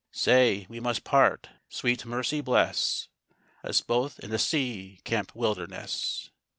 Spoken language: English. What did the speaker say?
Say, we must part; sweet mercy bless Us both i' th' sea, camp, wilderness!